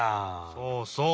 そうそう。